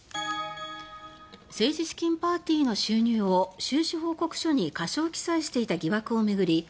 政治資金パーティーの収入を収支報告書に過少記載していた疑惑を巡り